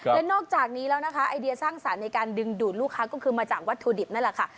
และนอกจากนี้แล้วนะคะไอเดียสร้างสรรค์ในการดึงดูดลูกค้าก็คือมาจากวัตถุดิบนั่นแหละค่ะ